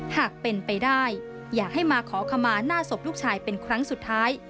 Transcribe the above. หากเป็นไปได้อย่าให้มาขอขมาหน้าศพลูกชายเป็นครั้งสุดท้าย